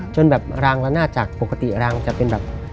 จนแบบรางละนาดจากปกติรางจะเป็นแบบ